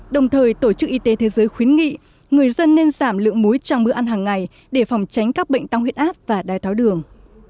đồng thời tổ chức y tế thế giới khuyến nghị người dân nên giảm lượng muối trong bữa ăn hàng ngày để phòng tránh các bệnh tăng huyết áp và đai tháo đường